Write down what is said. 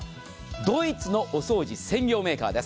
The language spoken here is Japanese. ドイツのお掃除専用メーカーです。